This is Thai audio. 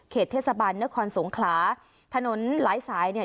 เทศบาลนครสงขลาถนนหลายสายเนี่ย